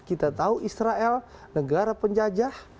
kita tahu israel negara penjajah